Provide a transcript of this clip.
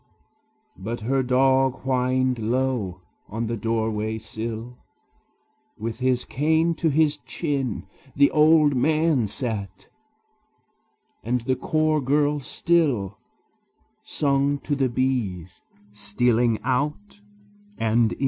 But her dog whined low; on the doorway sill, With his cane to his chin, The old man sat; and the chore girl still Sung to the bees stealing out and in.